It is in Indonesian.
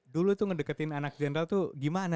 dulu tuh ngedeketin anak general tuh gimana tuh pak